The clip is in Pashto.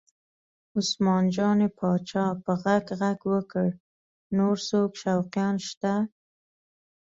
عثمان جان پاچا په غږ غږ وکړ نور څوک شوقیان شته؟